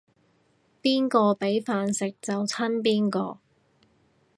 邊個畀飯食就親邊個